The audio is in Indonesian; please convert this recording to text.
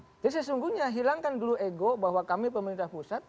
jadi sesungguhnya hilangkan dulu ego bahwa kami pemerintah pusat